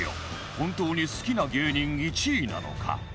本当に好きな芸人１位なのか？